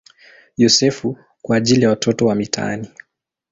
Yosefu" kwa ajili ya watoto wa mitaani.